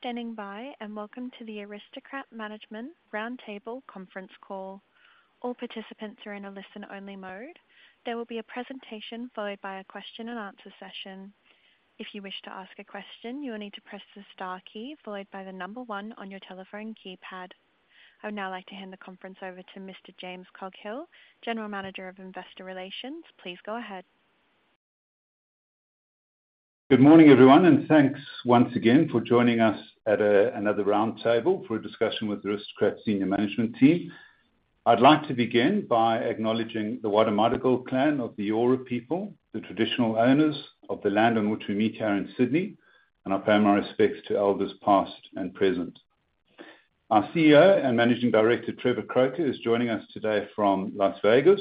Thank you for standing by, and welcome to the Aristocrat Management Roundtable Conference Call. All participants are in a listen-only mode. There will be a presentation, followed by a question and answer session. If you wish to ask a question, you will need to press the star key, followed by the number one on your telephone keypad. I would now like to hand the conference over to Mr. James Coghill, General Manager of Investor Relations. Please go ahead. Good morning, everyone, and thanks once again for joining us at another roundtable for a discussion with the Aristocrat senior management team. I'd like to begin by acknowledging the Gadigal clan of the Eora people, the traditional owners of the land on which we meet here in Sydney, and I pay my respects to elders, past and present. Our CEO and Managing Director, Trevor Croker, is joining us today from Las Vegas,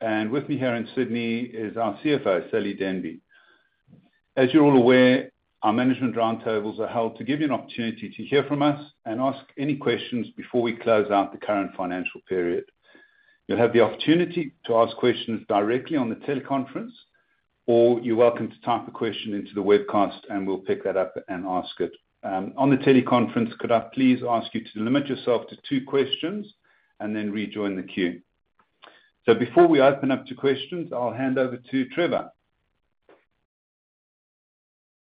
and with me here in Sydney is our CFO, Sally Denby. As you're all aware, our management roundtables are held to give you an opportunity to hear from us and ask any questions before we close out the current financial period. You'll have the opportunity to ask questions directly on the teleconference, or you're welcome to type a question into the webcast and we'll pick that up and ask it. On the teleconference, could I please ask you to limit yourself to two questions and then rejoin the queue? Before we open up to questions, I'll hand over to Trevor.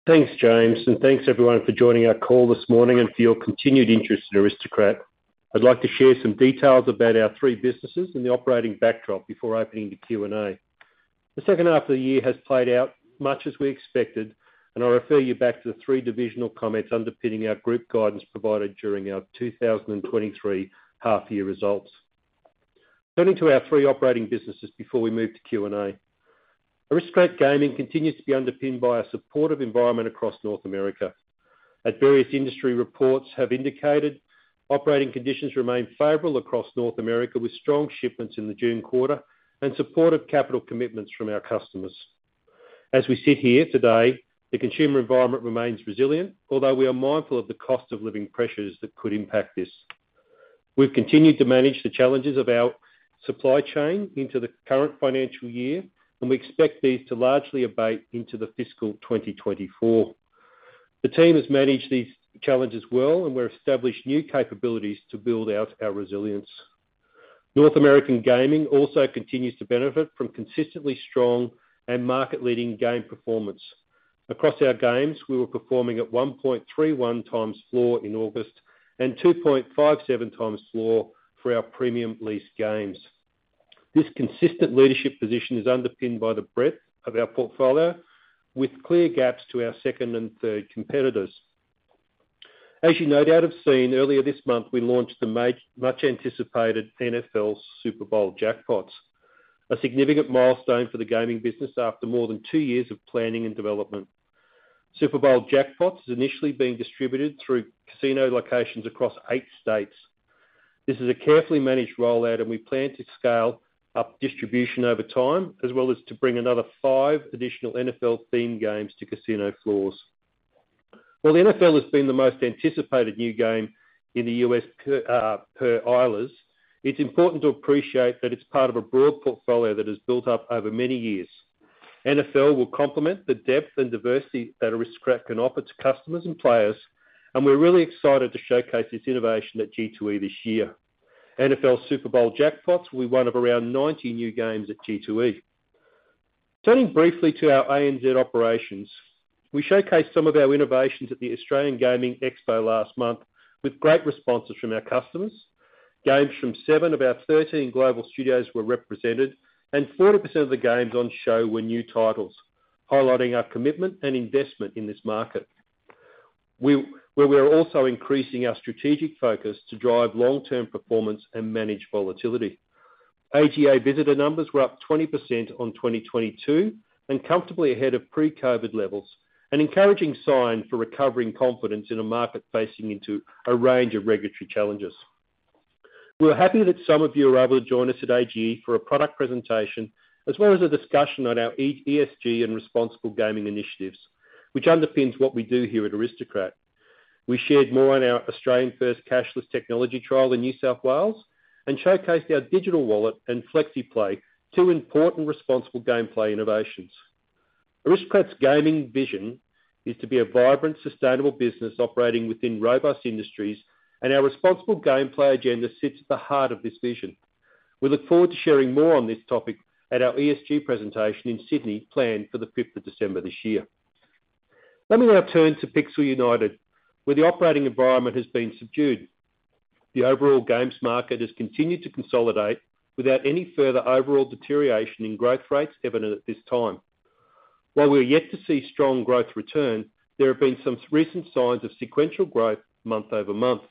Thanks, James, and thanks everyone for joining our call this morning and for your continued interest in Aristocrat. I'd like to share some details about our three businesses and the operating backdrop before opening the Q&A. The second half of the year has played out much as we expected, and I refer you back to the three divisional comments underpinning our group guidance provided during our 2023 half year results. Turning to our three operating businesses before we move to Q&A. Aristocrat Gaming continues to be underpinned by a supportive environment across North America. As various industry reports have indicated, operating conditions remain favorable across North America, with strong shipments in the June quarter and supportive capital commitments from our customers. As we sit here today, the consumer environment remains resilient, although we are mindful of the cost of living pressures that could impact this. We've continued to manage the challenges of our supply chain into the current financial year, and we expect these to largely abate into the fiscal 2024. The team has managed these challenges well, and we've established new capabilities to build out our resilience. North American Gaming also continues to benefit from consistently strong and market-leading game performance. Across our games, we were performing at 1.31x floor in August, and 2.57x floor for our premium lease games. This consistent leadership position is underpinned by the breadth of our portfolio, with clear gaps to our second and third competitors. As you no doubt have seen, earlier this month, we launched the much anticipated NFL Super Bowl Jackpots, a significant milestone for the gaming business after more than two years of planning and development. Bowl Jackpots is initially being distributed through casino locations across eight states. This is a carefully managed rollout, and we plan to scale up distribution over time, as well as to bring another five additional NFL-themed games to casino floors. While the NFL has been the most anticipated new game in the U.S., per Eilers, it's important to appreciate that it's part of a broad portfolio that has built up over many years. NFL will complement the depth and diversity that Aristocrat can offer to customers and players, and we're really excited to showcase this innovation at G2E this year. NFL Super Bowl Jackpots will be one of around 90 new games at G2E. Turning briefly to our ANZ operations, we showcased some of our innovations at the Australian Gaming Expo last month, with great responses from our customers. Games from seven of our 13 global studios were represented, and 40% of the games on show were new titles, highlighting our commitment and investment in this market. We are also increasing our strategic focus to drive long-term performance and manage volatility. AGE visitor numbers were up 20% on 2022, and comfortably ahead of pre-COVID levels, an encouraging sign for recovering confidence in a market facing into a range of regulatory challenges. We're happy that some of you are able to join us at AGE for a product presentation, as well as a discussion on our ESG and responsible gaming initiatives, which underpins what we do here at Aristocrat. We shared more on our Australian-first cashless technology trial in New South Wales, and showcased our digital wallet and FlexiPlay, two important responsible gameplay innovations. Aristocrat's gaming vision is to be a vibrant, sustainable business operating within robust industries, and our responsible gameplay agenda sits at the heart of this vision. We look forward to sharing more on this topic at our ESG presentation in Sydney, planned for the fifth of December this year. Let me now turn to Pixel United, where the operating environment has been subdued. The overall games market has continued to consolidate without any further overall deterioration in growth rates evident at this time. While we are yet to see strong growth return, there have been some recent signs of sequential growth month-over-month.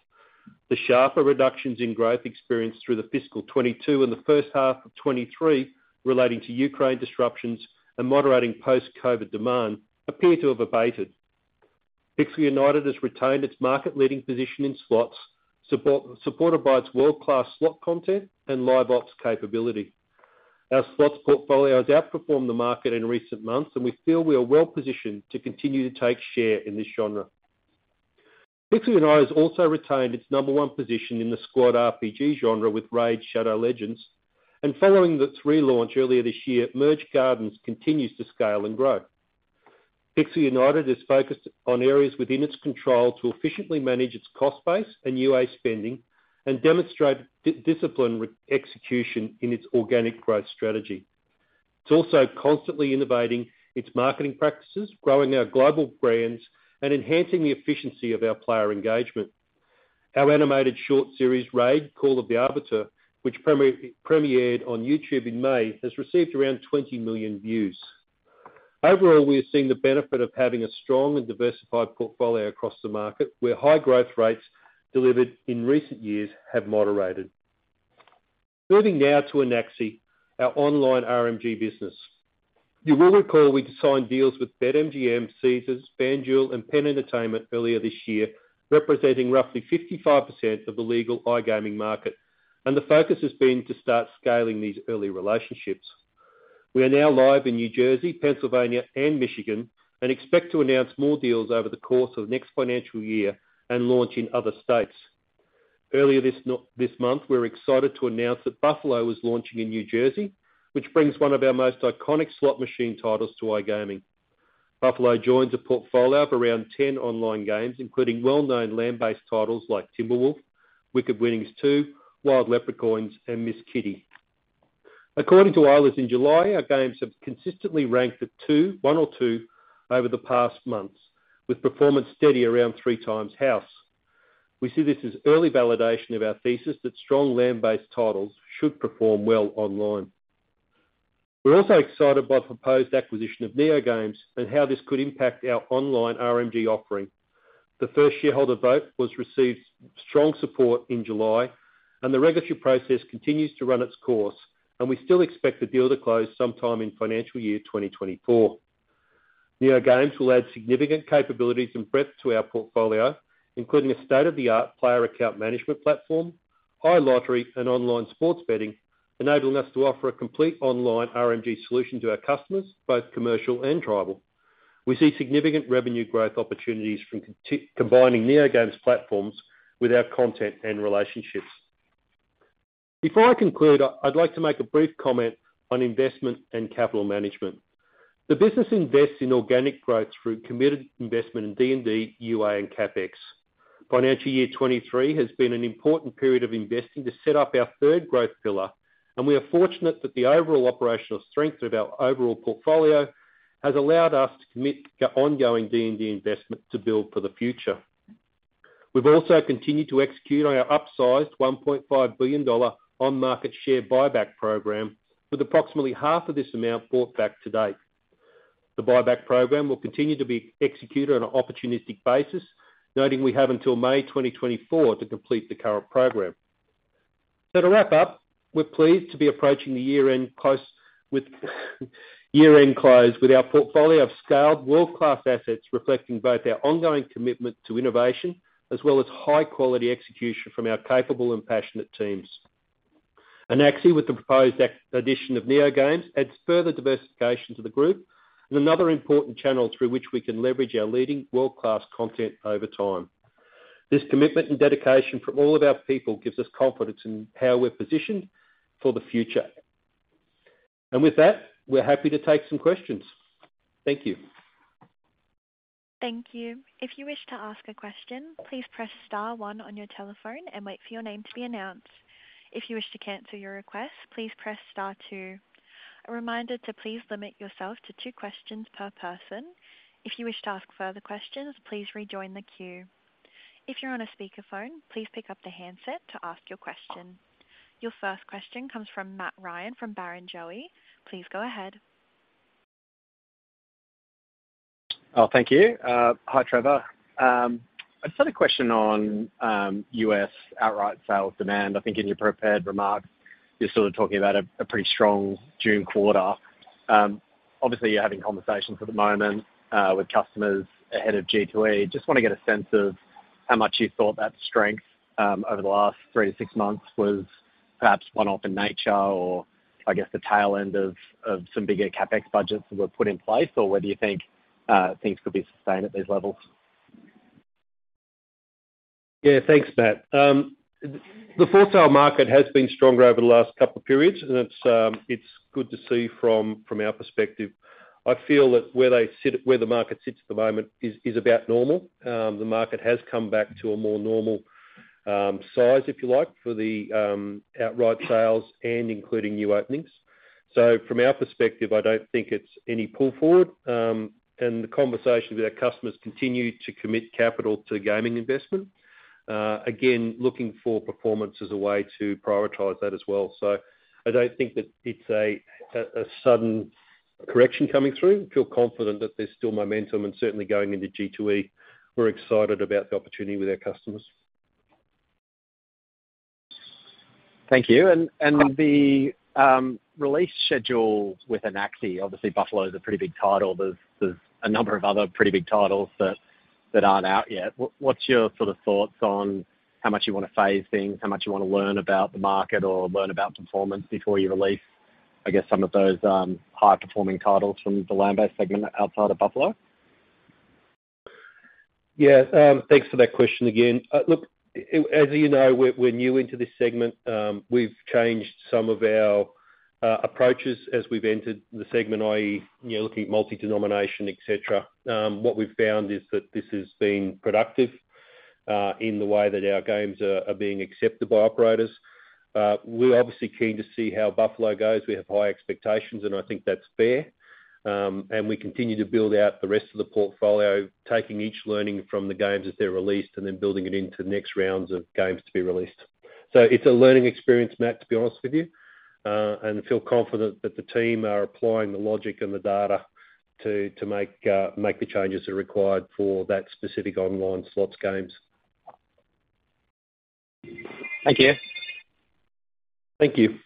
The sharper reductions in growth experienced through the fiscal 2022 and the first half of 2023, relating to Ukraine disruptions and moderating post-COVID demand, appear to have abated. Pixel United has retained its market-leading position in slots, supported by its world-class slot content and live ops capability. Our slots portfolio has outperformed the market in recent months, and we feel we are well positioned to continue to take share in this genre. Pixel United has also retained its number one position in the squad RPG genre with RAID: Shadow Legends. Following its relaunch earlier this year, Merge Gardens continues to scale and grow. Pixel United is focused on areas within its control to efficiently manage its cost base and UA spending, and demonstrate discipline with execution in its organic growth strategy. It's also constantly innovating its marketing practices, growing our global brands, and enhancing the efficiency of our player engagement. Our animated short series, RAID: Call of the Arbiter, which premiered on YouTube in May, has received around 20 million views. Overall, we are seeing the benefit of having a strong and diversified portfolio across the market, where high growth rates delivered in recent years have moderated. Moving now to Anaxi, our online RMG business. You will recall we signed deals with BetMGM, Caesars, FanDuel, and Penn Entertainment earlier this year, representing roughly 55% of the legal iGaming market, and the focus has been to start scaling these early relationships. We are now live in New Jersey, Pennsylvania, and Michigan, and expect to announce more deals over the course of the next financial year and launch in other states. Earlier this month, we're excited to announce that Buffalo is launching in New Jersey, which brings one of our most iconic slot machine titles to iGaming. Buffalo joins a portfolio of around 10 online games, including well-known land-based titles like Timber Wolf, Wicked Winnings 2, Wild Lepre'Coins, and Miss Kitty. According to Eilers in July, our games have consistently ranked at No. 2, No. 1 or No. 2 the past months, with performance steady around 3x house. We see this as early validation of our thesis that strong land-based titles should perform well online. We're also excited by the proposed acquisition of NeoGames, and how this could impact our online RMG offering. The first shareholder vote was received strong support in July, and the regulatory process continues to run its course, and we still expect the deal to close sometime in financial year 2024. NeoGames will add significant capabilities and breadth to our portfolio, including a state-of-the-art player account management platform, iLottery, and online sports betting, enabling us to offer a complete online RMG solution to our customers, both commercial and tribal. We see significant revenue growth opportunities from combining NeoGames platforms with our content and relationships. Before I conclude, I'd like to make a brief comment on investment and capital management. The business invests in organic growth through committed investment in D&D, UA and CapEx. Financial year 2023 has been an important period of investing to set up our third growth pillar, and we are fortunate that the overall operational strength of our overall portfolio has allowed us to commit to ongoing D&D investment to build for the future. We've also continued to execute on our upsized 1.5 billion dollar on-market share buyback program, with approximately half of this amount bought back to date. The buyback program will continue to be executed on an opportunistic basis, noting we have until May 2024 to complete the current program. So to wrap up, we're pleased to be approaching the year-end close with our portfolio of scaled world-class assets, reflecting both our ongoing commitment to innovation, as well as high quality execution from our capable and passionate teams. Anaxi, with the proposed addition of NeoGames, adds further diversification to the group, and another important channel through which we can leverage our leading world-class content over time. This commitment and dedication from all of our people gives us confidence in how we're positioned for the future. With that, we're happy to take some questions. Thank you. Thank you. If you wish to ask a question, please press star one on your telephone and wait for your name to be announced. If you wish to cancel your request, please press star two. A reminder to please limit yourself to two questions per person. If you wish to ask further questions, please rejoin the queue. If you're on a speakerphone, please pick up the handset to ask your question. Your first question comes from Matt Ryan from Barrenjoey. Please go ahead. Oh, thank you. Hi, Trevor. I just had a question on U.S. outright sales demand. I think in your prepared remarks, you're sort of talking about a pretty strong June quarter. Obviously, you're having conversations at the moment with customers ahead of G2E. Just wanna get a sense of how much you thought that strength over the last three to six months was perhaps one-off in nature, or I guess the tail end of some bigger CapEx budgets that were put in place, or whether you think things could be sustained at these levels? Yeah, thanks, Matt. The full title market has been stronger over the last couple of periods, and it's good to see from our perspective. I feel that where they sit, where the market sits at the moment is about normal. The market has come back to a more normal size, if you like, for the outright sales and including new openings. So from our perspective, I don't think it's any pull forward, and the conversations with our customers continue to commit capital to gaming investment. Again, looking for performance as a way to prioritize that as well. So I don't think that it's a sudden correction coming through. I feel confident that there's still momentum, and certainly going into G2E, we're excited about the opportunity with our customers. Thank you. And the release schedule with Anaxi, obviously, Buffalo is a pretty big title. There's a number of other pretty big titles that aren't out yet. What's your sort of thoughts on how much you wanna phase things, how much you wanna learn about the market or learn about performance before you release, I guess, some of those high-performing titles from the land-based segment outside of Buffalo? Yeah, thanks for that question again. Look, it, as you know, we're new into this segment. We've changed some of our approaches as we've entered the segment, i.e., you know, looking at multi-denomination, et cetera. What we've found is that this has been productive in the way that our games are being accepted by operators. We're obviously keen to see how Buffalo goes. We have high expectations, and I think that's fair. And we continue to build out the rest of the portfolio, taking each learning from the games as they're released, and then building it into the next rounds of games to be released. So it's a learning experience, Matt, to be honest with you, and feel confident that the team are applying the logic and the data to make the changes that are required for that specific online slots games. Thank you. Thank you.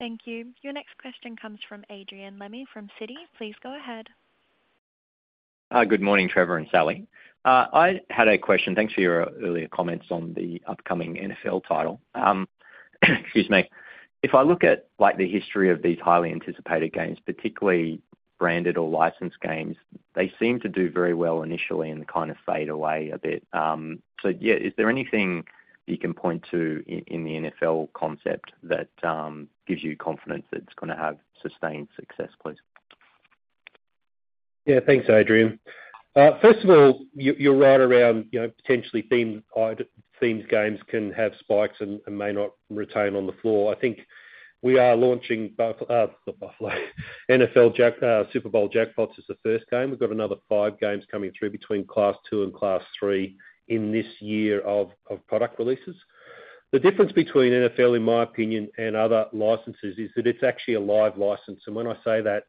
Thank you. Your next question comes from Adrian Lemme from Citi. Please go ahead. Hi, good morning, Trevor and Sally. I had a question. Thanks for your earlier comments on the upcoming NFL title. Excuse me. If I look at, like, the history of these highly anticipated games, particularly branded or licensed games, they seem to do very well initially and kind of fade away a bit. So yeah, is there anything you can point to in the NFL concept that gives you confidence that it's gonna have sustained success, please? Yeah, thanks, Adrian. First of all, you're right around, you know, potentially themed games can have spikes and may not retain on the floor. I think we are launching Buffalo, not Buffalo, NFL Jack, Super Bowl Jackpots is the first game. We've got another five games coming through between Class II and Class III in this year of product releases. The difference between NFL, in my opinion, and other licenses, is that it's actually a live license. And when I say that,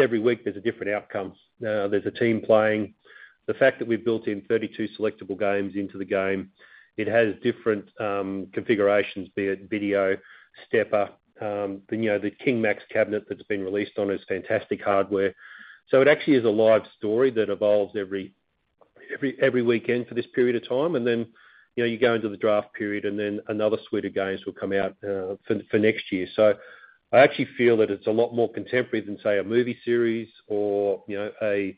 every week there's a different outcome. There's a team playing. The fact that we've built in 32 selectable games into the game, it has different configurations, be it video, stepper, then, you know, the King Max cabinet that's been released on is fantastic hardware. So it actually is a live story that evolves every weekend for this period of time. And then, you know, you go into the draft period, and then another suite of games will come out for next year. So I actually feel that it's a lot more contemporary than, say, a movie series or, you know, a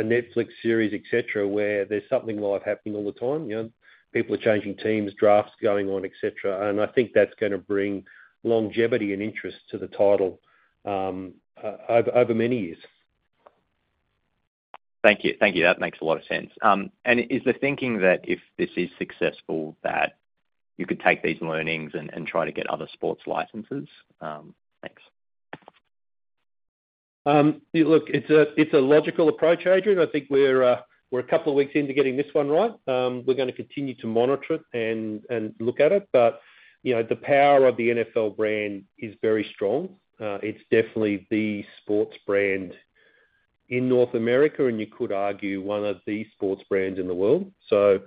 Netflix series, et cetera, where there's something live happening all the time. You know, people are changing teams, drafts going on, et cetera, and I think that's gonna bring longevity and interest to the title over many years. Thank you. Thank you. That makes a lot of sense. Is the thinking that if this is successful, that you could take these learnings and, and try to get other sports licenses? Thanks. Yeah, look, it's a logical approach, Adrian. I think we're a couple of weeks into getting this one right. We're gonna continue to monitor it and look at it, but you know, the power of the NFL brand is very strong. It's definitely the sports brand in North America, and you could argue one of the sports brands in the world. So,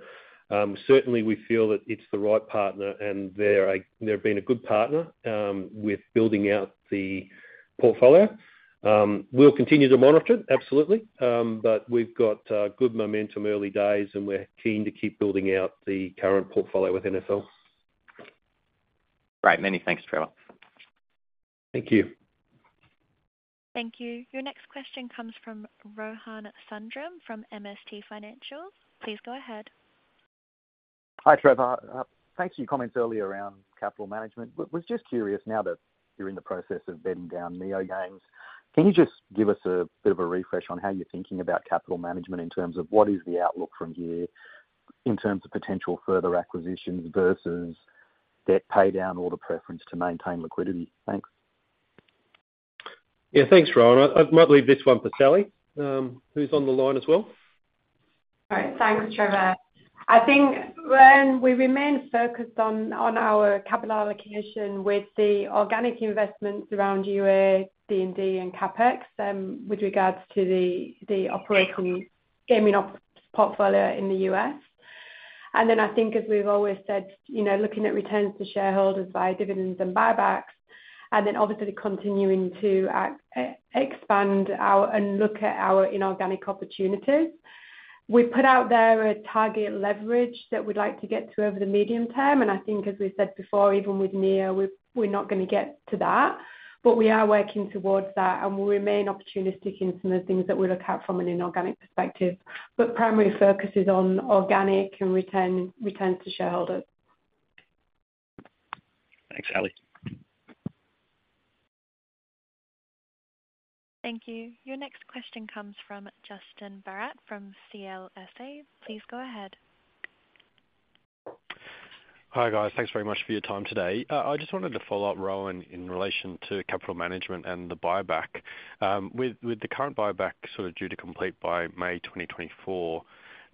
certainly we feel that it's the right partner, and they're a- they've been a good partner with building out the portfolio. We'll continue to monitor it, absolutely, but we've got good momentum early days, and we're keen to keep building out the current portfolio with NFL. Great. Many thanks, Trevor. Thank you. Thank you. Your next question comes from Rohan Sundram, from MST Financial. Please go ahead. Hi, Trevor. Thanks for your comments earlier around capital management. I was just curious, now that you're in the process of bedding down NeoGames, can you just give us a bit of a refresh on how you're thinking about capital management, in terms of what is the outlook from here, in terms of potential further acquisitions versus debt pay down, or the preference to maintain liquidity? Thanks. Yeah, thanks, Rohan. I might leave this one for Sally, who's on the line as well. All right. Thanks, Trevor. I think, Rohan, we remain focused on our capital allocation with the organic investments around UA, D&D, and CapEx with regards to the operating gaming portfolio in the U.S. Then I think as we've always said, you know, looking at returns to shareholders via dividends and buybacks, and then obviously continuing to expand our and look at our inorganic opportunities. We've put out there a target leverage that we'd like to get to over the medium term, and I think as we've said before, even with Neo, we're not gonna get to that. But we are working towards that, and we'll remain opportunistic in some of the things that we look at from an inorganic perspective. Primary focus is on organic and returns to shareholders. Thanks, Sally. Thank you. Your next question comes from Justin Barratt from CLSA. Please go ahead. Hi, guys. Thanks very much for your time today. I just wanted to follow up, Rohan, in relation to capital management and the buyback. With the current buyback sort of due to complete by May 2024,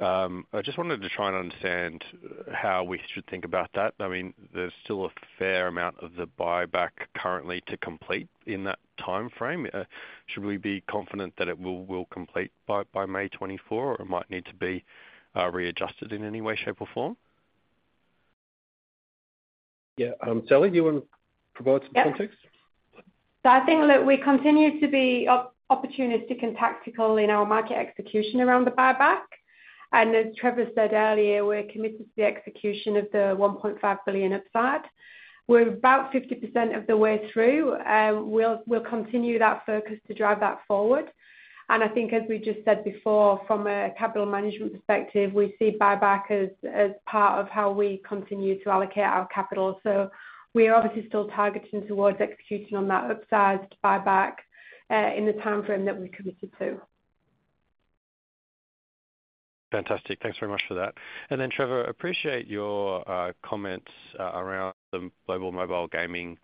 I just wanted to try and understand how we should think about that. I mean, there's still a fair amount of the buyback currently to complete in that timeframe. Should we be confident that it will complete by May 2024, or it might need to be readjusted in any way, shape, or form? Yeah, Sally, do you want to provide some context? Yep. So I think that we continue to be opportunistic and tactical in our market execution around the buyback. And as Trevor said earlier, we're committed to the execution of the 1.5 billion upsized. We're about 50% of the way through, we'll continue that focus to drive that forward. And I think as we just said before, from a capital management perspective, we see buyback as, as part of how we continue to allocate our capital. So we are obviously still targeting towards executing on that upsized buyback, in the timeframe that we committed to. Fantastic. Thanks very much for that. And then, Trevor, appreciate your comments around the global mobile gaming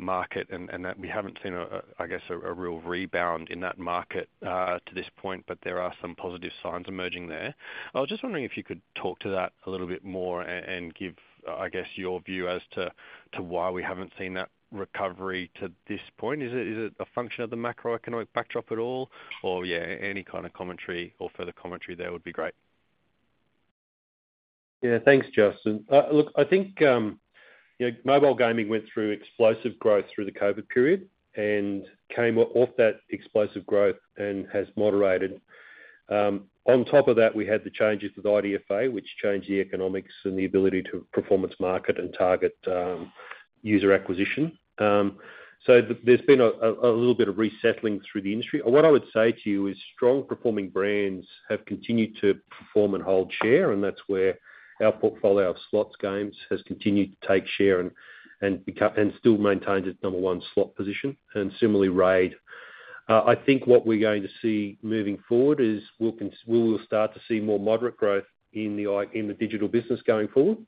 market, and that we haven't seen a, I guess, a real rebound in that market to this point, but there are some positive signs emerging there. I was just wondering if you could talk to that a little bit more and give, I guess, your view as to why we haven't seen that recovery to this point. Is it a function of the macroeconomic backdrop at all, or yeah, any kind of commentary or further commentary there would be great. Yeah. Thanks, Justin. Look, I think, you know, mobile gaming went through explosive growth through the COVID period and came off that explosive growth and has moderated. On top of that, we had the changes with IDFA, which changed the economics and the ability to performance market and target user acquisition. So there's been a little bit of resettling through the industry. And what I would say to you is strong performing brands have continued to perform and hold share, and that's where our portfolio of slots games has continued to take share and become and still maintains its number one slot position and similarly, RAID. I think what we're going to see moving forward is we will start to see more moderate growth in the digital business going forward.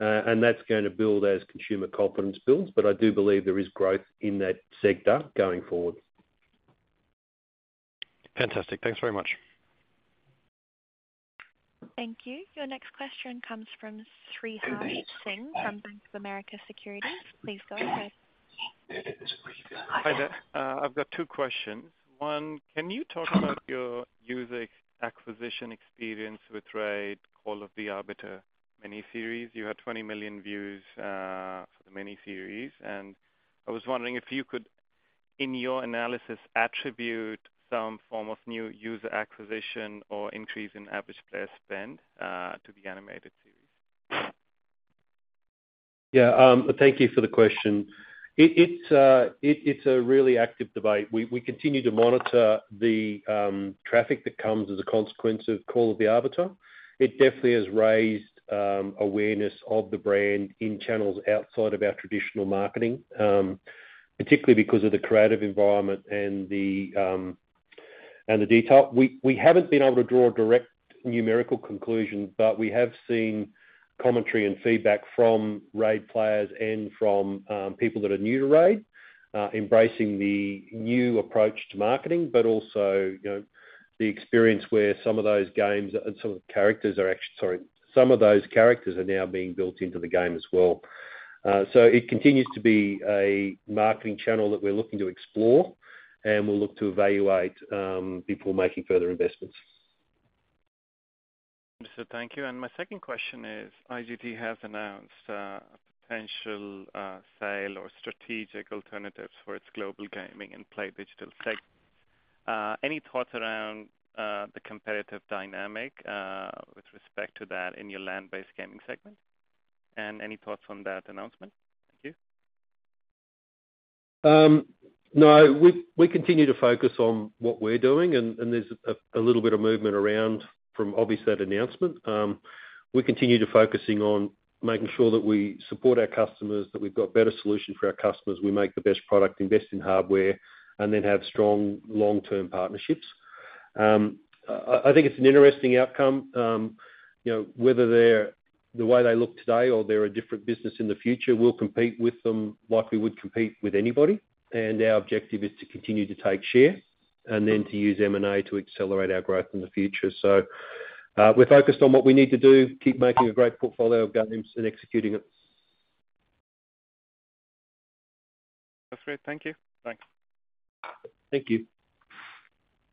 That's going to build as consumer confidence builds, but I do believe there is growth in that sector going forward. Fantastic. Thanks very much. Thank you. Your next question comes from Sriharsh Singh from Bank of America Securities. Please go ahead. Hi there. I've got two questions. One, can you talk about your user acquisition experience with RAID: Call of the Arbiter miniseries? You had 20 million views for the miniseries, and I was wondering if you could, in your analysis, attribute some form of new user acquisition or increase in average player spend to the animated series. Yeah. Thank you for the question. It's a really active debate. We continue to monitor the traffic that comes as a consequence of Call of the Arbiter. It definitely has raised awareness of the brand in channels outside of our traditional marketing, particularly because of the creative environment and the detail. We haven't been able to draw a direct numerical conclusion, but we have seen commentary and feedback from RAID players and from people that are new to RAID, embracing the new approach to marketing, but also, you know, the experience where some of those games and some of the characters are actually. Sorry, some of those characters are now being built into the game as well. It continues to be a marketing channel that we're looking to explore, and we'll look to evaluate before making further investments. Understood. Thank you. My second question is, IGT has announced a potential sale or strategic alternatives for its Global Gaming and PlayDigital segment. Any thoughts around the competitive dynamic with respect to that in your land-based gaming segment? Any thoughts on that announcement? Thank you. No, we continue to focus on what we're doing, and there's a little bit of movement around from obviously that announcement. We continue focusing on making sure that we support our customers, that we've got better solutions for our customers. We make the best product, invest in hardware, and then have strong long-term partnerships. I think it's an interesting outcome. You know, whether they're the way they look today or they're a different business in the future, we'll compete with them like we would compete with anybody, and our objective is to continue to take share, and then to use M&A to accelerate our growth in the future. So, we're focused on what we need to do, keep making a great portfolio of games and executing it. That's great. Thank you. Thanks. Thank you.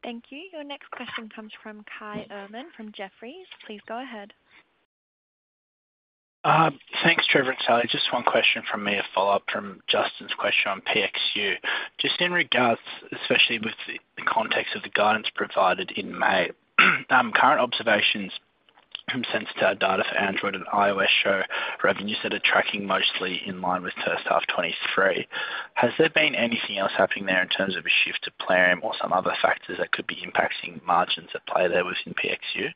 Thank you. Your next question comes from Kai Erman from Jefferies. Please go ahead. Thanks, Trevor and Sally. Just one question from me, a follow-up from Justin's question on PXU. Just in regards, especially with the context of the guidance provided in May, current observations from Sensor Tower data for Android and iOS show revenues that are tracking mostly in line with the first half of 2023. Has there been anything else happening there in terms of a shift to Plarium or some other factors that could be impacting margins at play there within PXU?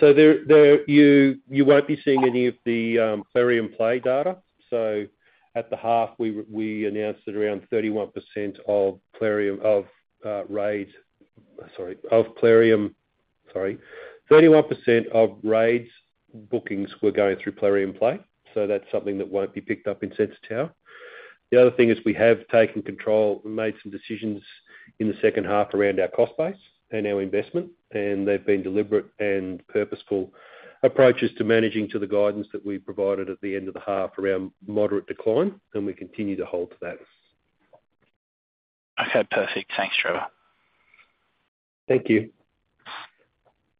So you won't be seeing any of the Plarium Play data. So at the half, we announced that around 31% of Plarium, of RAID, sorry, of Plarium. Sorry, 31% of RAID's bookings were going through Plarium Play, so that's something that won't be picked up in Sensor Tower. The other thing is we have taken control and made some decisions in the second half around our cost base and our investment, and they've been deliberate and purposeful approaches to managing to the guidance that we provided at the end of the half around moderate decline, and we continue to hold to that. Okay, perfect. Thanks, Trevor. Thank you.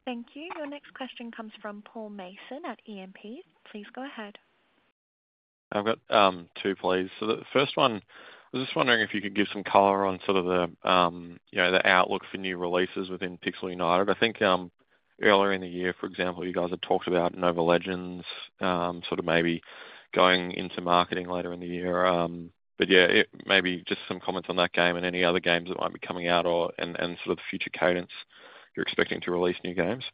Thank you. Your next question comes from Paul Mason at E&P. Please go ahead. I've got, two, please. So the first one, I was just wondering if you could give some color on sort of the, you know, the outlook for new releases within Pixel United. I think, earlier in the year, for example, you guys had talked about Nova Legends, sort of maybe going into marketing later in the year. But yeah, it maybe just some comments on that game and any other games that might be coming out or, and, and sort of the future cadence you're expecting to release new games.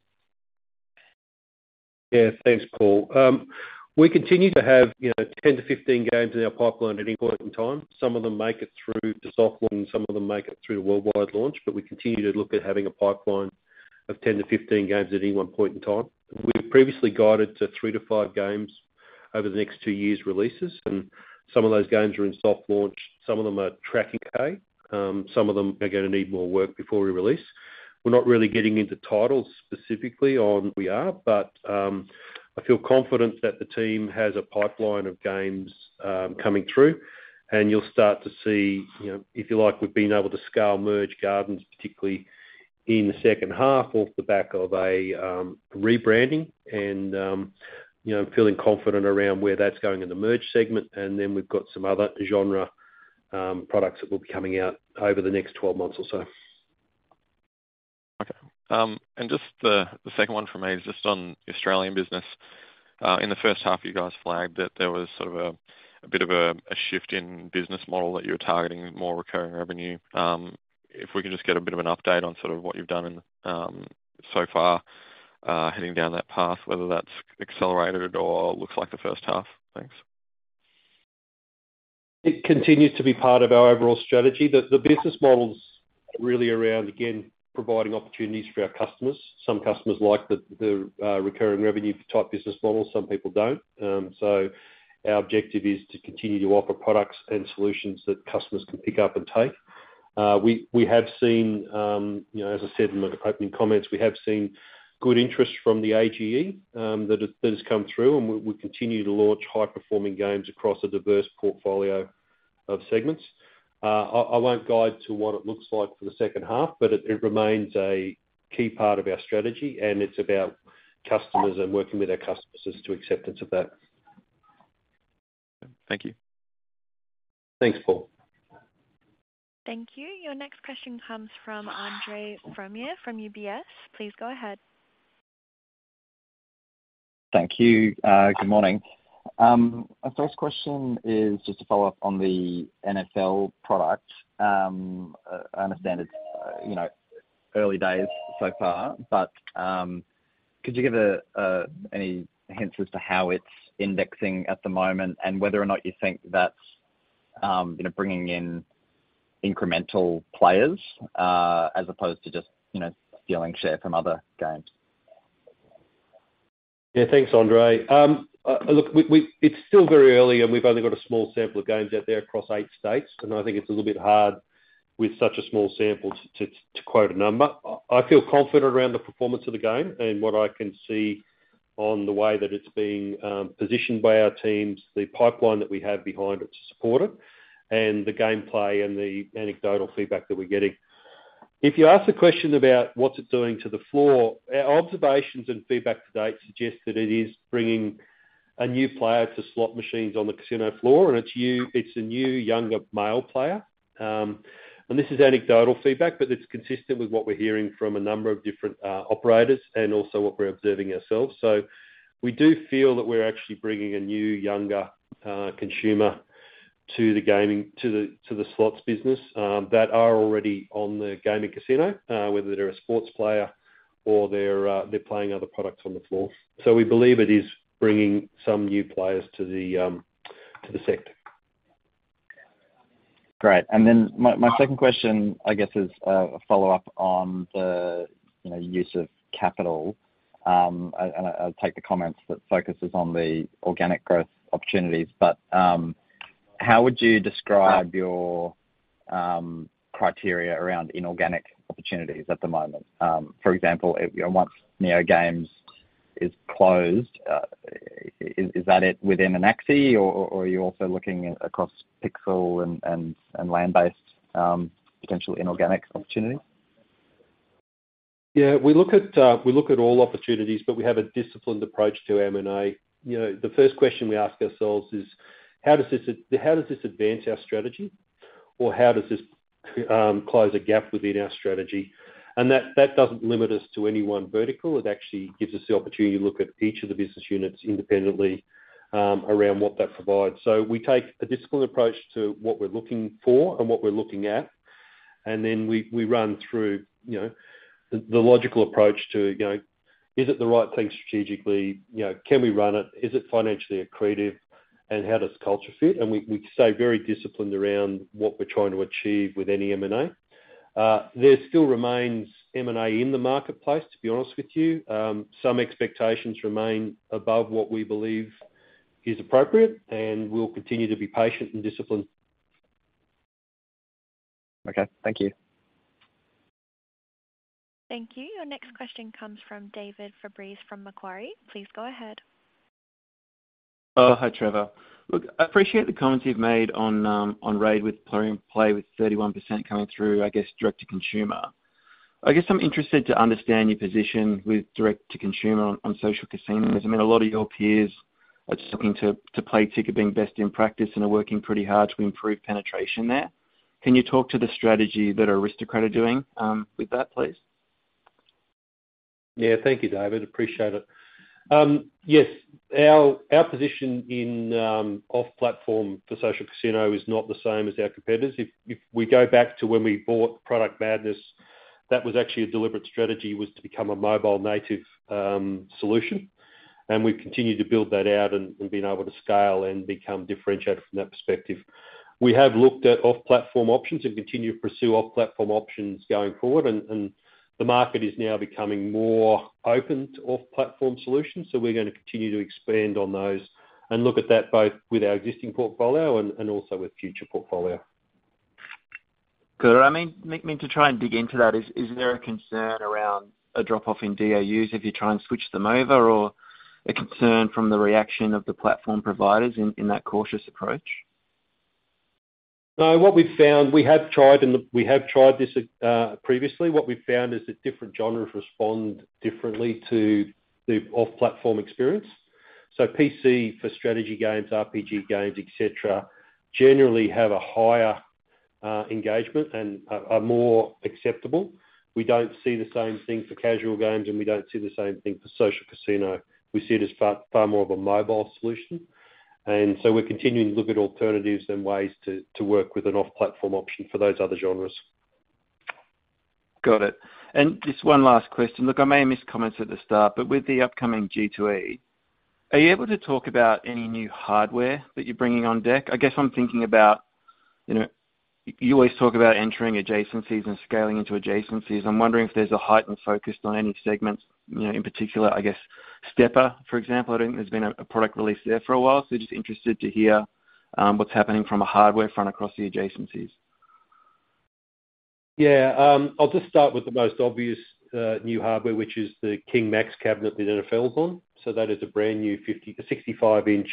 Yeah, thanks, Paul. We continue to have, you know, 10-15 games in our pipeline at any point in time. Some of them make it through to soft launch, and some of them make it through to worldwide launch. But we continue to look at having a pipeline of 10-15 games at any one point in time. We've previously guided to three to five games over the next two years releases, and some of those games are in soft launch, some of them are tracking okay, some of them are gonna need more work before we release. We're not really getting into titles specifically on we are, but I feel confident that the team has a pipeline of games coming through, and you'll start to see, you know, if you like, we've been able to scale Merge Gardens, particularly in the second half, off the back of a rebranding and, you know, feeling confident around where that's going in the merge segment. And then we've got some other genre products that will be coming out over the next 12 months or so. Okay, and just the second one for me is just on the Australian business. In the first half, you guys flagged that there was sort of a bit of a shift in business model that you were targeting more recurring revenue. If we could just get a bit of an update on sort of what you've done and so far heading down that path, whether that's accelerated or looks like the first half. Thanks. It continues to be part of our overall strategy. The business model's really around, again, providing opportunities for our customers. Some customers like the recurring revenue type business model, some people don't. Our objective is to continue to offer products and solutions that customers can pick up and take. We have seen, you know, as I said in my opening comments, we have seen good interest from the AGE, that has come through, and we continue to launch high-performing games across a diverse portfolio of segments. I won't guide to what it looks like for the second half, but it remains a key part of our strategy, and it's about customers and working with our customers as to acceptance of that. Thank you. Thanks, Paul. Thank you. Your next question comes from Andre Fromyhr from UBS. Please go ahead. Thank you. Good morning. My first question is just to follow up on the NFL product. I understand it's, you know, early days so far, but could you give any hints as to how it's indexing at the moment and whether or not you think that's, you know, bringing in incremental players as opposed to just, you know, stealing share from other games? Yeah, thanks, Andre. Look, it's still very early, and we've only got a small sample of games out there across eight states, and I think it's a little bit hard with such a small sample to quote a number. I feel confident around the performance of the game and what I can see on the way that it's being positioned by our teams, the pipeline that we have behind it to support it, and the gameplay and the anecdotal feedback that we're getting. If you ask a question about what's it doing to the floor, our observations and feedback to date suggest that it is bringing a new player to slot machines on the casino floor, and it's a new, younger, male player. This is anecdotal feedback, but it's consistent with what we're hearing from a number of different operators and also what we're observing ourselves. So we do feel that we're actually bringing a new, younger consumer to the gaming, to the slots business that are already on the gaming casino, whether they're a sports player or they're playing other products on the floor. So we believe it is bringing some new players to the sector. Great. And then my second question, I guess, is a follow-up on the, you know, use of capital. And I'll take the comments that focuses on the organic growth opportunities, but how would you describe your criteria around inorganic opportunities at the moment? For example, if, you know, once NeoGames is closed, is that it within Anaxi, or are you also looking across Pixel and land-based potential inorganic opportunities? Yeah, we look at all opportunities, but we have a disciplined approach to M&A. You know, the first question we ask ourselves is: How does this advance our strategy, or how does this close a gap within our strategy? And that doesn't limit us to any one vertical. It actually gives us the opportunity to look at each of the business units independently around what that provides. So we take a disciplined approach to what we're looking for and what we're looking at, and then we run through, you know, the logical approach to, you know, is it the right thing strategically? You know, can we run it? Is it financially accretive, and how does culture fit? And we stay very disciplined around what we're trying to achieve with any M&A. There still remains M&A in the marketplace, to be honest with you. Some expectations remain above what we believe is appropriate, and we'll continue to be patient and disciplined. Okay, thank you. Thank you. Your next question comes from David Fabris from Macquarie. Please go ahead. Hi, Trevor. Look, I appreciate the comments you've made on RAID with Plarium Play with 31% coming through, I guess, direct to consumer. I guess I'm interested to understand your position with direct to consumer on social casinos. I mean, a lot of your peers are looking to paid UA being best in practice and are working pretty hard to improve penetration there. Can you talk to the strategy that Aristocrat are doing with that, please? Yeah. Thank you, David. Appreciate it. Yes, our position in off-platform for social casino is not the same as our competitors. If we go back to when we bought Product Madness, that was actually a deliberate strategy to become a mobile native solution, and we've continued to build that out and been able to scale and become differentiated from that perspective. We have looked at off-platform options and continue to pursue off-platform options going forward, and the market is now becoming more open to off-platform solutions. So we're gonna continue to expand on those and look at that both with our existing portfolio and also with future portfolio. Good. I mean, let me try to dig into that. Is there a concern around a drop-off in DAUs if you try and switch them over, or a concern from the reaction of the platform providers in that cautious approach? No, what we've found, we have tried and we have tried this, previously. What we've found is that different genres respond differently to the off-platform experience. So PC for strategy games, RPG games, et cetera, generally have a higher engagement and are more acceptable. We don't see the same thing for casual games, and we don't see the same thing for social casino. We see it as far, far more of a mobile solution, and so we're continuing to look at alternatives and ways to work with an off-platform option for those other genres. Got it. And just one last question. Look, I may have missed comments at the start, but with the upcoming G2E, are you able to talk about any new hardware that you're bringing on deck? I guess I'm thinking about, you know, you always talk about entering adjacencies and scaling into adjacencies. I'm wondering if there's a heightened focus on any segments, you know, in particular, I guess, stepper, for example. I don't think there's been a product release there for a while, so just interested to hear what's happening from a hardware front across the adjacencies. Yeah, I'll just start with the most obvious, new hardware, which is the King Max cabinet with NFL on. So that is a brand-new 65-inch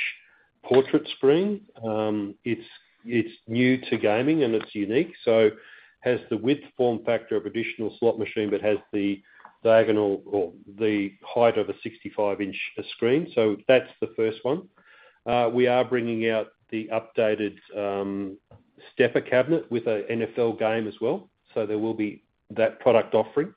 portrait screen. It's new to gaming, and it's unique, so has the width form factor of additional slot machine, but has the diagonal or the height of a 65-inch screen. So that's the first one. We are bringing out the updated stepper cabinet with a NFL game as well. So there will be that product offering,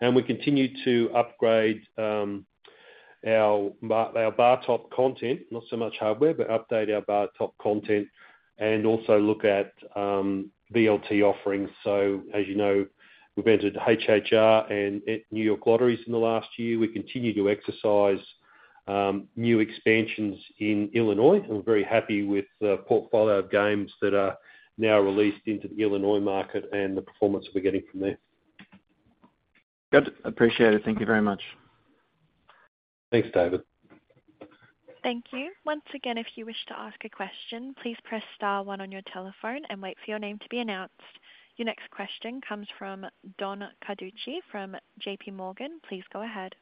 and we continue to upgrade our bar top content, not so much hardware, but update our bar top content and also look at VLT offerings. So as you know, we've entered HHR and New York Lotteries in the last year. We continue to exercise new expansions in Illinois, and we're very happy with the portfolio of games that are now released into the Illinois market and the performance we're getting from there. Good. Appreciate it. Thank you very much. Thanks, David. Thank you. Once again, if you wish to ask a question, please press star one on your telephone and wait for your name to be announced. Your next question comes from Don Carducci from JPMorgan. Please go ahead.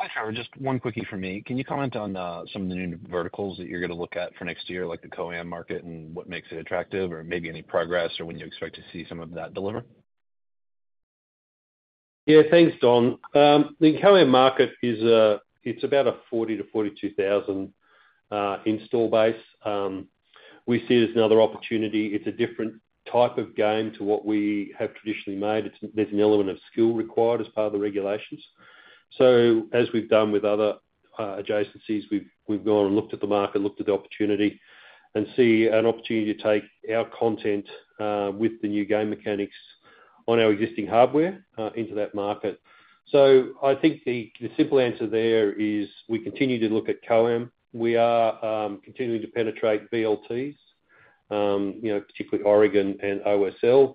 Hi, Trevor. Just one quickie for me. Can you comment on some of the new verticals that you're gonna look at for next year, like the COAM market, and what makes it attractive, or maybe any progress, or when you expect to see some of that deliver? Yeah, thanks, Don. The COAM market is, it's about a 40,000-42,000 install base. We see it as another opportunity. It's a different type of game to what we have traditionally made. It's. There's an element of skill required as part of the regulations. So as we've done with other adjacencies, we've gone and looked at the market, looked at the opportunity, and see an opportunity to take our content with the new game mechanics on our existing hardware into that market. So I think the simple answer there is we continue to look at COAM. We are continuing to penetrate VLTs, you know, particularly Oregon and OSL.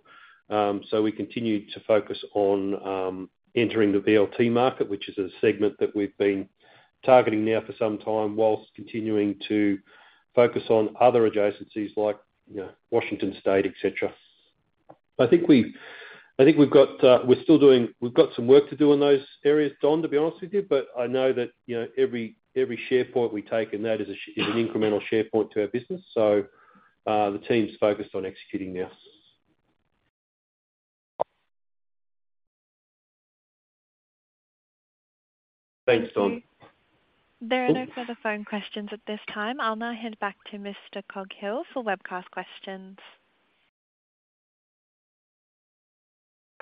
So we continue to focus on entering the VLT market, which is a segment that we've been targeting now for some time, while continuing to focus on other adjacencies like, you know, Washington State, et cetera. I think we've got, we're still doing. We've got some work to do in those areas, Don, to be honest with you, but I know that, you know, every share point we take in that is an incremental share point to our business. So the team's focused on executing now. Thanks, Don. There are no further phone questions at this time. I'll now hand back to Mr. Coghill for webcast questions.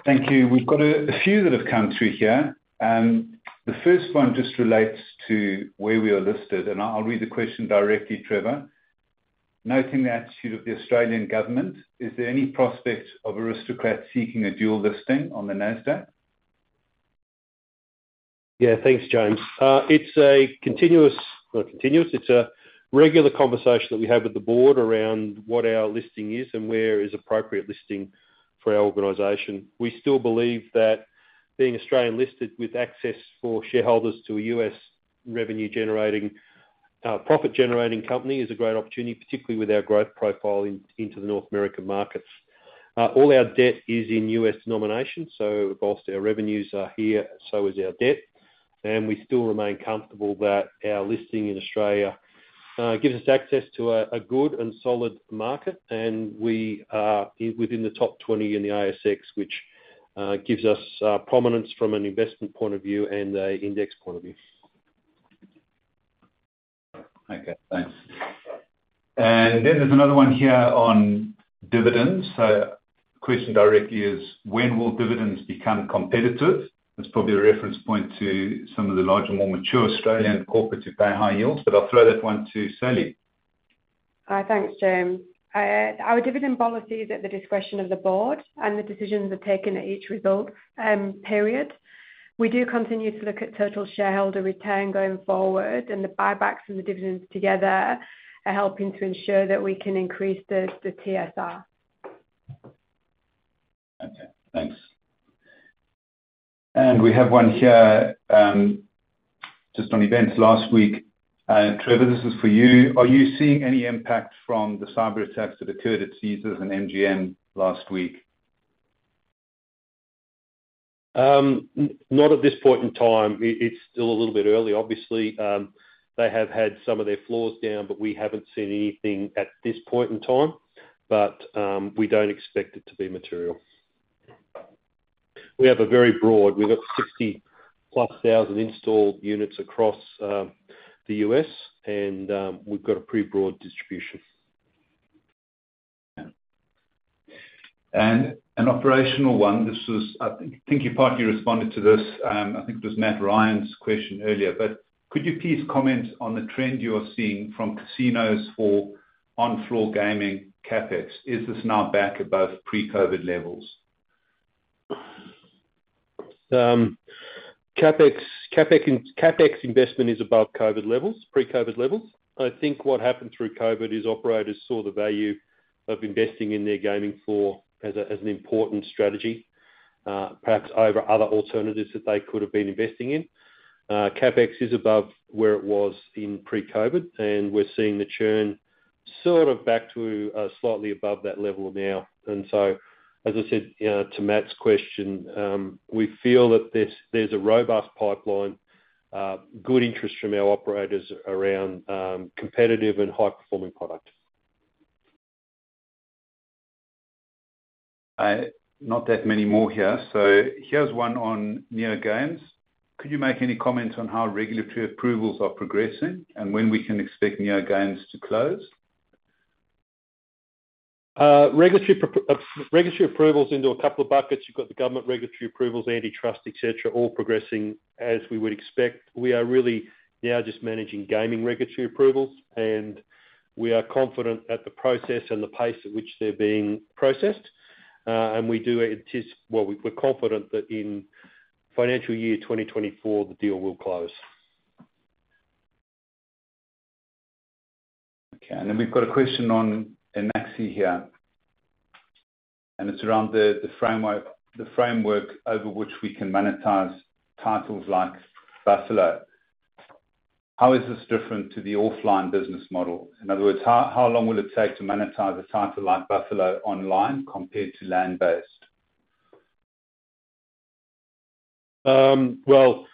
Thank you. We've got a few that have come through here, and the first one just relates to where we are listed, and I'll read the question directly, Trevor. Noting the attitude of the Australian government, is there any prospect of Aristocrat seeking a dual listing on the Nasdaq? Yeah. Thanks, James. It's a continuous, continuous, it's a regular conversation that we have with the board around what our listing is and where is appropriate listing for our organization. We still believe that being Australian listed with access for shareholders to a U.S. revenue-generating, profit-generating company is a great opportunity, particularly with our growth profile in, into the North American markets. All our debt is in U.S. denomination, so while our revenues are here, so is our debt, and we still remain comfortable that our listing in Australia gives us access to a, a good and solid market, and we are within the top 20 in the ASX, which gives us prominence from an investment point of view and an index point of view. Okay, thanks. And then there's another one here on dividends. So the question directly is: When will dividends become competitive? That's probably a reference point to some of the larger, more mature Australian corporates who pay high yields, but I'll throw that one to Sally. Hi. Thanks, James. Our dividend policy is at the discretion of the board, and the decisions are taken at each result, period. We do continue to look at total shareholder return going forward, and the buybacks and the dividends together are helping to ensure that we can increase the TSR. Okay, thanks. And we have one here, just on events last week. Trevor, this is for you. Are you seeing any impact from the cyber attacks that occurred at Caesars and MGM last week? Not at this point in time. It's still a little bit early. Obviously, they have had some of their floors down, but we haven't seen anything at this point in time. But we don't expect it to be material. We have a very broad. We've got 60-plus thousand installed units across the U.S., and we've got a pretty broad distribution. An operational one. This is. I think you partly responded to this. I think it was Matt Ryan's question earlier, but could you please comment on the trend you are seeing from casinos for on-floor gaming CapEx? Is this now back above pre-COVID levels? CapEx investment is above COVID levels, pre-COVID levels. I think what happened through COVID is operators saw the value of investing in their gaming floor as an important strategy, perhaps over other alternatives that they could have been investing in. CapEx is above where it was in pre-COVID, and we're seeing the churn sort of back to slightly above that level now. And so, as I said, to Matt's question, we feel that there's a robust pipeline, good interest from our operators around competitive and high-performing products. Not that many more here. Here's one on NeoGames. Could you make any comments on how regulatory approvals are progressing, and when we can expect NeoGames to close? Regulatory approvals into a couple of buckets. You've got the government regulatory approvals, antitrust, et cetera, all progressing as we would expect. We are really now just managing gaming regulatory approvals, and we are confident at the process and the pace at which they're being processed. We're confident that in financial year 2024, the deal will close. Okay. And then we've got a question on Anaxi here, and it's around the, the framework, the framework over which we can monetize titles like Buffalo. How is this different to the offline business model? In other words, how, how long will it take to monetize a title like Buffalo online compared to land-based? Well,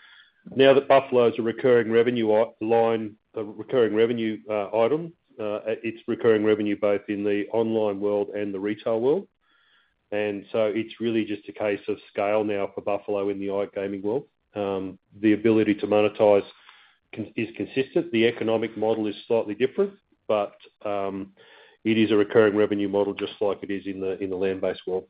now that Buffalo is a recurring revenue online, a recurring revenue, it's recurring revenue both in the online world and the retail world. And so it's really just a case of scale now for Buffalo in the iGaming world. The ability to monetize is consistent. The economic model is slightly different, but, it is a recurring revenue model, just like it is in the land-based world.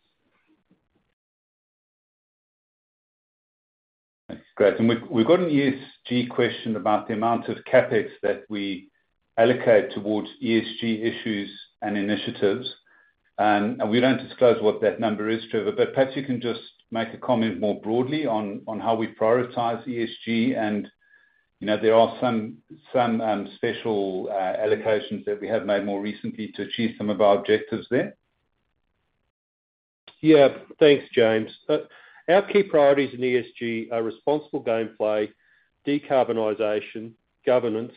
Great. We've got an ESG question about the amount of CapEx that we allocate towards ESG issues and initiatives. We don't disclose what that number is, Trevor, but perhaps you can just make a comment more broadly on how we prioritize ESG. You know, there are some special allocations that we have made more recently to achieve some of our objectives there. Yeah. Thanks, James. Our key priorities in ESG are responsible gameplay, decarbonization, governance,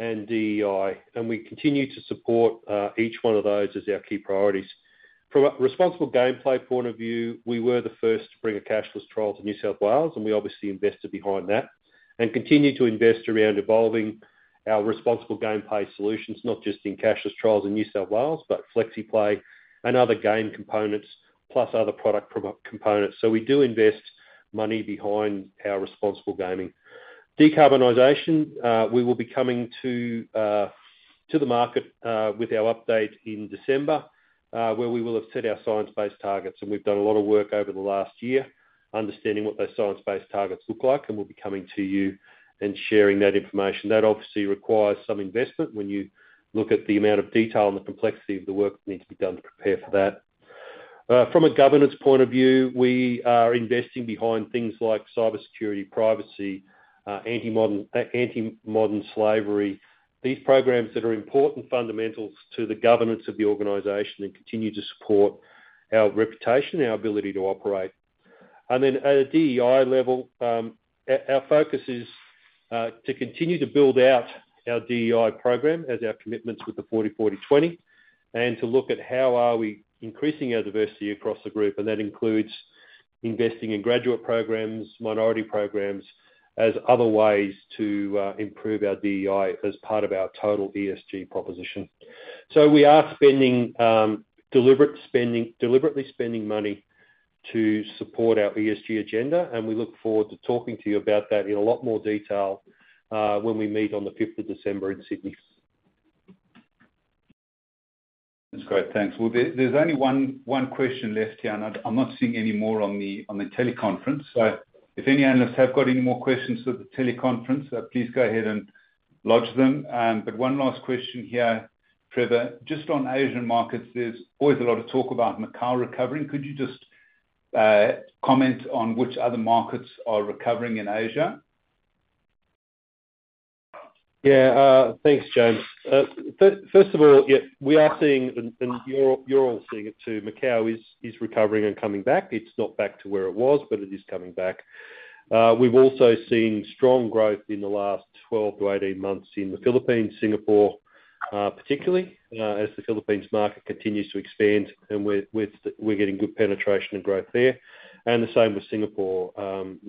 and DEI, and we continue to support each one of those as our key priorities. From a responsible gameplay point of view, we were the first to bring a cashless trial to New South Wales, and we obviously invested behind that, and continue to invest around evolving our responsible gameplay solutions, not just in cashless trials in New South Wales, but FlexiPlay and other game components, plus other product components. So we do invest money behind our responsible gaming. Decarbonization, we will be coming to the market with our update in December, where we will have set our science-based targets. We've done a lot of work over the last year understanding what those science-based targets look like, and we'll be coming to you and sharing that information. That obviously requires some investment when you look at the amount of detail and the complexity of the work that needs to be done to prepare for that. From a governance point of view, we are investing behind things like cybersecurity, privacy, anti-modern slavery. These programs that are important fundamentals to the governance of the organization and continue to support our reputation, our ability to operate. And then at a DEI level, our focus is to continue to build out our DEI program as our commitments with the 40, 40, 20, and to look at how are we increasing our diversity across the group, and that includes investing in graduate programs, minority programs, as other ways to improve our DEI as part of our total ESG proposition. We are deliberately spending money to support our ESG agenda, and we look forward to talking to you about that in a lot more detail when we meet on the fifth of December in Sydney. That's great. Thanks. Well, there's only one question left here, and I'm not seeing any more on the teleconference. So if any analysts have got any more questions for the teleconference, please go ahead and lodge them. But one last question here, Trevor. Just on Asian markets, there's always a lot of talk about Macau recovering. Could you just comment on which other markets are recovering in Asia? Yeah. Thanks, James. First of all, yeah, we are seeing and you're all seeing it, too. Macau is recovering and coming back. It's not back to where it was, but it is coming back. We've also seen strong growth in the last 12-18 months in the Philippines, Singapore, particularly as the Philippines market continues to expand, and we're getting good penetration and growth there. And the same with Singapore,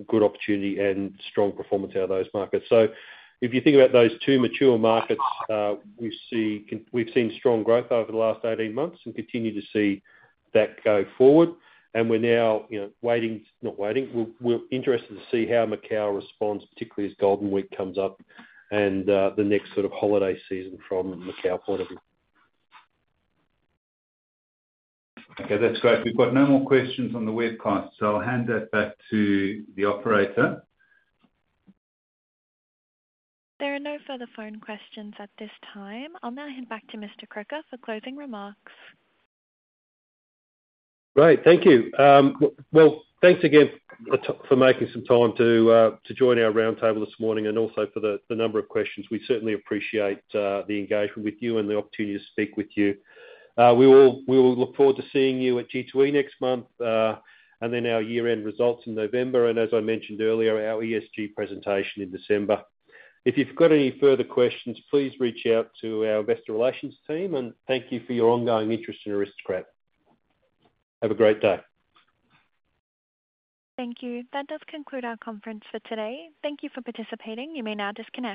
good opportunity and strong performance out of those markets. So if you think about those two mature markets, we've seen strong growth over the last 18 months and continue to see that go forward. And we're now, you know, waiting, not waiting, we're interested to see how Macau responds, particularly as Golden Week comes up and the next sort of holiday season from Macau point of view. Okay, that's great. We've got no more questions on the webcast, so I'll hand that back to the operator. There are no further phone questions at this time. I'll now hand back to Mr. Croker for closing remarks. Great, thank you. Well, thanks again for making some time to join our roundtable this morning, and also for the number of questions. We certainly appreciate the engagement with you and the opportunity to speak with you. We will look forward to seeing you at G2E next month. And then our year-end results in November, and as I mentioned earlier, our ESG presentation in December. If you've got any further questions, please reach out to our investor relations team, and thank you for your ongoing interest in Aristocrat. Have a great day. Thank you. That does conclude our conference for today. Thank you for participating. You may now disconnect.